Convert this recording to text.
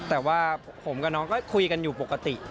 แต่ว่าผมกับน้องก็คุยกันอยู่ปกติ